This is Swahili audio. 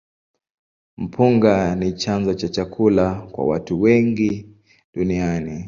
Mpunga ni chanzo cha chakula kwa watu wengi duniani.